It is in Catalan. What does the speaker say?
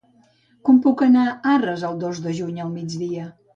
Com puc anar a Arres el dos de juny al migdia?